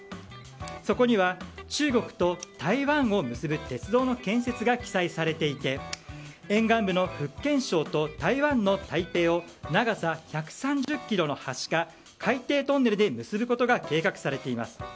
そこには中国と台湾を結ぶ鉄道の建設が記載されていて沿岸部の福建省と台湾の台北を長さ１３０ｋｍの橋か海底トンネルで結ぶことが計画されています。